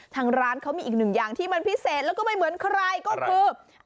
ทางร้านเขามีอีกหนึ่งอย่างที่มันพิเศษแล้วก็ไม่เหมือนใครก็คือ